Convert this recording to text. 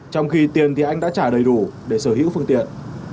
trong khi tiền thì anh đã trả đầy đủ để sở hữu phương tiện